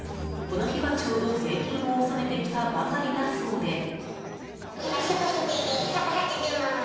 この日はちょうど、税金を納めてきたばかりだそうで。